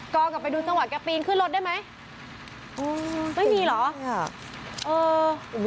กองกลับไปดูจังหวะแกปีนขึ้นรถได้ไหมไม่มีเหรอ